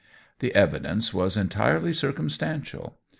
The evidence was entirely circumstantial.